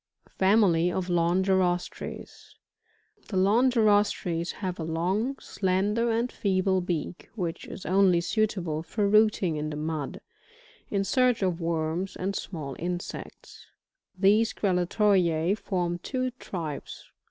FAMILY OF LONGIROSTRES. 45. The Longlrostres have a long, slender and feeble beak, which is only suitable for rooting in the mud, in search of worma atid small insects, (Plate 5yjiy. 10.) These Grallatoriae form two tribes.